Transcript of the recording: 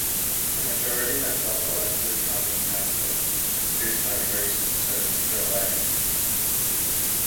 The majority had self-elected common councils, whose members served for life.